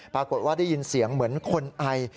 ปรากฏว่าได้ยินเสียงเหมือนคนไอ